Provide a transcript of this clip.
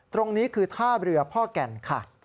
ตรงนี้คือท่าเรือพ่อแก่นค่ะ